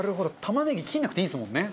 玉ねぎ切らなくていいですもんね。